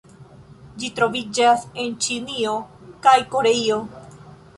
Ĝi troviĝas en Ĉinio kaj Koreio.